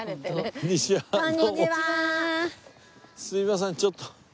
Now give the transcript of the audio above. すいませんちょっと。